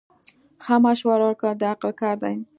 ښه مشوره ورکول د عقل کار دی.